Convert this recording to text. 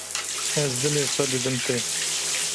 Ez dilê xwe didim te.